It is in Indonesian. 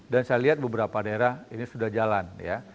dan saya lihat beberapa daerah ini sudah jalan ya